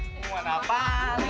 buat apaan nih